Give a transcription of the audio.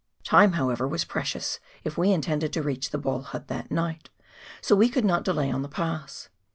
Time, however, was precious if we intended to reach the Ball hut that night, so we could not delay on the pass.